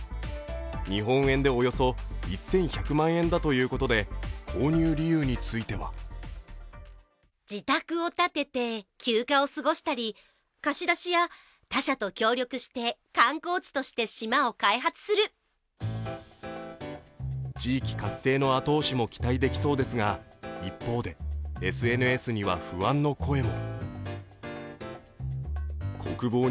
日本円でおよそ１１００万円だということで、購入理由については地域活性の後押しも期待できそうですが一方でＳＮＳには、不安の声も。